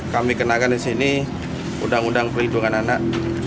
kami kenakan di sini undang undang perlindungan anak